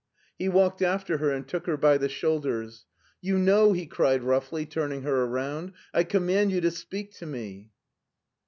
He walked after her, and took her by the shoulders. it €€ U SCHWARZWALD 279 You know !" he cried roughly, turning her arotmd. I command you to speak to me."